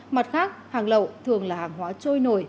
mặt khác hàng lậu thường là hàng hóa trôi nổi